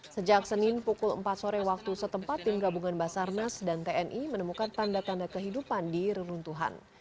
sejak senin pukul empat sore waktu setempat tim gabungan basarnas dan tni menemukan tanda tanda kehidupan di reruntuhan